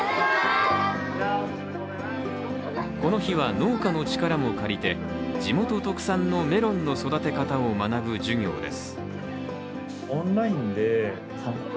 この日は農家の力も借りて、地元特産のメロンの育て方を学ぶ授業です。